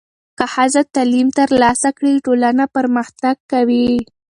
که ښځې تعلیم ترلاسه کړي، ټولنه پرمختګ کوي.